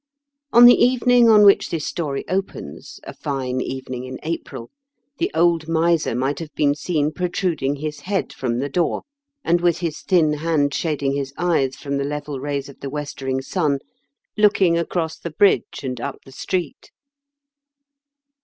On the evening on which this story opens — a fine evening in April — ^the old miser might have been seen protruding his head from the door, and, with his thin hand shading his eyes from the level rays of the westering sun, looking across the bridge and up the street.